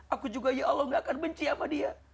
aku juga ya allah gak akan benci sama dia